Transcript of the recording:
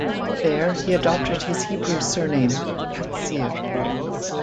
There, he adopted his Hebrew surname "Katzir".